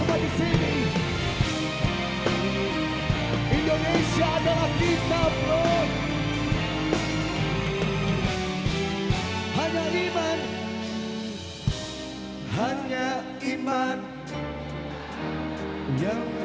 hari ini syatikan momentum